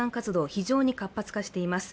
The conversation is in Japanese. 非常に活発化しています